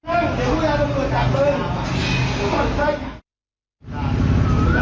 สิเออเดี๋ยวผู้ชายต้องตรวจดับเบิ้ลสิ